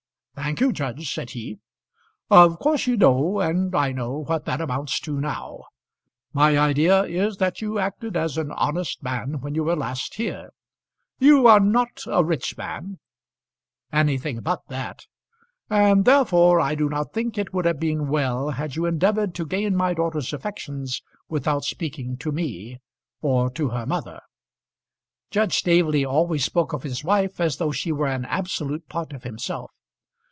"Thank you, judge," said he. "Of course you know, and I know, what that amounts to now. My idea is that you acted as an honest man when you were last here. You are not a rich man " "Anything but that." "And therefore I do not think it would have been well had you endeavoured to gain my daughter's affections without speaking to me, or to her mother." Judge Staveley always spoke of his wife as though she were an absolute part of himself.